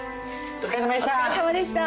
お疲れさまでした。